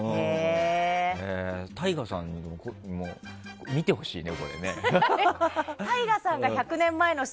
ＴＡＩＧＡさんにも見てほしいね。